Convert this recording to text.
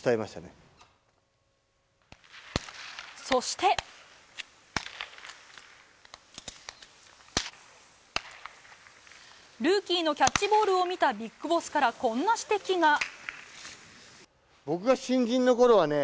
そして、ルーキーのキャッチボールを見たビッグボスからこんな指摘が。